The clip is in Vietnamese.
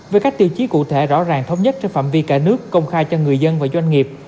với các tiêu chí cụ thể rõ ràng thống nhất trên phạm vi cả nước công khai cho người dân và doanh nghiệp